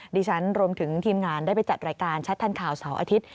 ดิฉันรวมถึงทีมงานได้ไปจัดรายการชัดทันข่าวเสาร์อาทิตย์